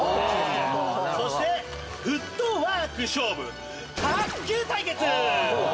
そしてフットワーク勝負卓球対決！